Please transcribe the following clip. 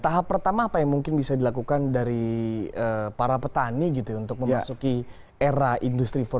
tahap pertama apa yang mungkin bisa dilakukan dari para petani gitu untuk memasuki era industri empat